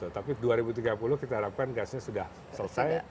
tapi dua ribu tiga puluh kita harapkan gasnya sudah selesai